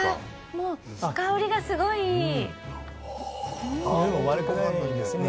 もう香りがすごいいい。